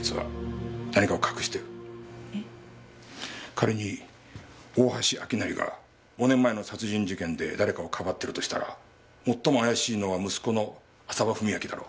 仮に大橋明成が５年前の殺人事件で誰かをかばってるとしたら最も怪しいのは息子の浅羽史明だろ。